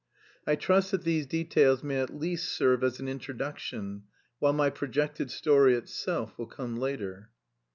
I trust that these details may at least serve as an introduction, while my projected story itself will come later.